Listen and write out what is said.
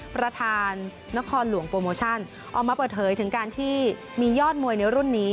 ประธานนครหลวงโปรโมชั่นออกมาเปิดเผยถึงการที่มียอดมวยในรุ่นนี้